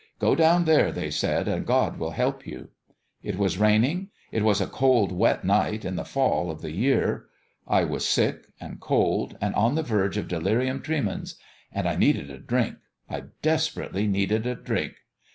Go down there,' they said, ' and God will help you/ It was raining. It was a cold, wet night in the fall of the year. I was sick, and cold, and on the verge of delirium tremens ; and I needed a drink I desperately needed a drink.